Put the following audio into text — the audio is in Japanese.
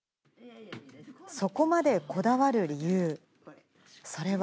そこまでこだわる理由。